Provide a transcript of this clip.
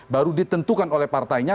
baru ditentukan oleh partainya